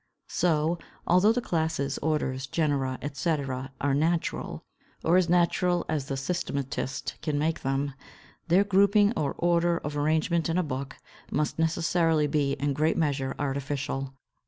552. So, although the classes, orders, genera, etc., are natural, or as natural as the systematist can make them, their grouping or order of arrangement in a book, must necessarily be in great measure artificial.